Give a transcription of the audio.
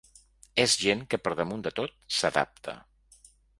És gent que per damunt de tot s’adapta.